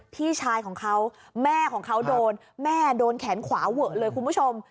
พี่ชายของเขาแม่ของเขาโดนแม่โดนแขนขวาเวอะเลยคุณผู้ชม